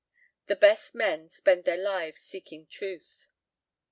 "The best men spend their lives seeking truth."